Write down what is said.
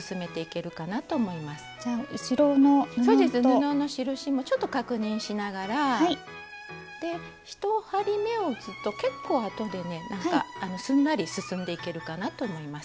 布の印もちょっと確認しながらで１針めを打つと結構後でねなんかすんなり進んでいけるかなと思います。